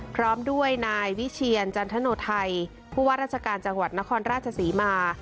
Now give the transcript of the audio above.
พร้อมด้วยนายวิเชียรจันทโนไทยผู้ว่าราชการจังหวัดนครราชศรีมา